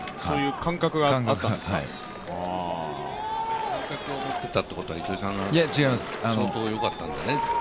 感覚を持っていたということは、糸井さん、相当よかったんだね。